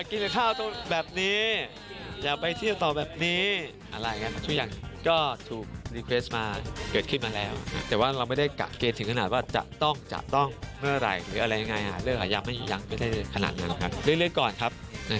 ขอบคุณครับ